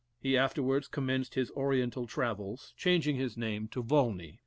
He afterwards commenced his Oriental travels, changing his name to Volney.